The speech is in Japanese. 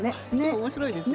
面白いですね。